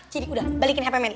jadi udah balikin hp meli